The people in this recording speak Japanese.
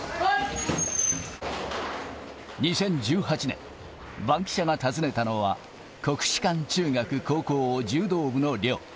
２０１８年、バンキシャが訪ねたのは、国士舘中学・高校柔道部の寮。